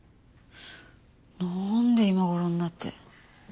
なんで今頃になって。